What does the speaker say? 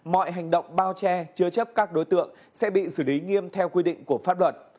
mọi hành động bao che chứa chấp các đối tượng sẽ bị xử lý nghiêm theo quy định của pháp luật